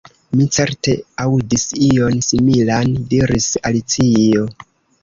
"Mi certe aŭdis ion similan," diris Alicio.